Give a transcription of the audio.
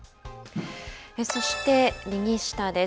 そして右下です。